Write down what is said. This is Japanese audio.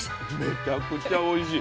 めちゃくちゃおいしい。